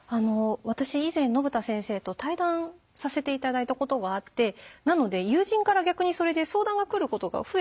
私以前信田先生と対談させて頂いたことがあってなので友人から逆にそれで相談が来ることが増えた。